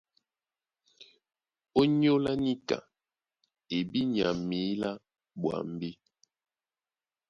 ÓnyÓlá níka e bí nya mǐlá ɓwambí?